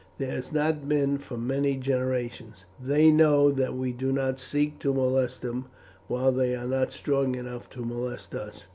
"There has not been for many generations. They know that we do not seek to molest them, while they are not strong enough to molest us.